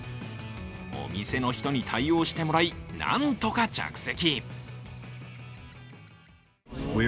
お店の人に対応してもらいなんとか着席。